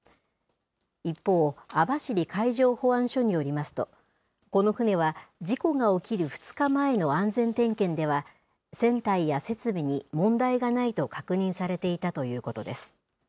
一方、網走海上保安署によりますと、この船は事故が起きる２日前の安全点検では、船体や設備に問題がないと確認されていたということです。